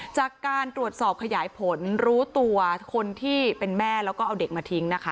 จากการตรวจสอบขยายผลรู้ตัวคนที่เป็นแม่แล้วก็เอาเด็กมาทิ้งนะคะ